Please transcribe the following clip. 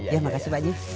ya makasih pak ji